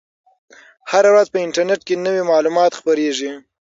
هره ورځ په انټرنیټ کې نوي معلومات خپریږي.